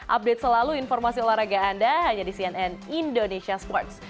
update selalu informasi olahraga anda hanya di cnn indonesia sports